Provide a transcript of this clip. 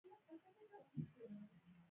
د غاښونو د روغتیا لپاره مسواک وهل مه هیروئ